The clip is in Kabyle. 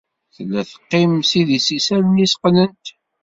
Tella teqqim s idis-is, allen-is qqnent.